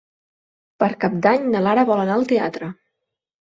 Per Cap d'Any na Lara vol anar al teatre.